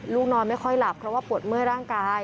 นอนไม่ค่อยหลับเพราะว่าปวดเมื่อยร่างกาย